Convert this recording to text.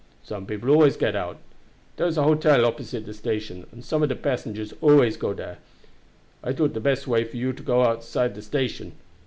Some people always get out. Dar is an hotel just opposite the station, and some of de passengers most always go there. I thought the best way for you would be to go outside the station.